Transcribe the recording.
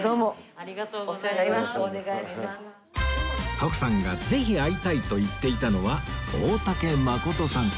徳さんがぜひ会いたいと言っていたのは大竹まことさん